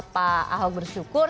pak hoek bersyukur